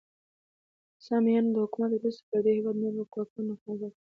د سامانیانو د حکومت وروسته پر دې هیواد نورو واکمنانو حکومت وکړ.